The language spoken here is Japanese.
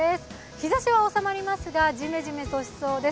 日ざしは収まりますが、ジメジメとしそうです。